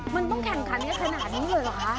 มันต้องแข่งขนาดนี้เลยเหรอคะ